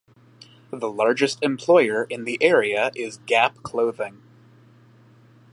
The largest employer in the area is Gap Clothing.